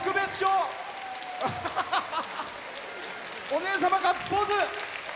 お姉様、ガッツポーズ。